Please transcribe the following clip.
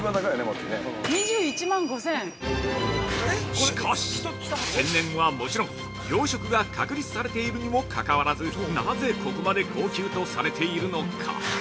◆しかし、天然はもちろん養殖が確立されているにもかかわらずなぜ、ここまで高級とされているのか。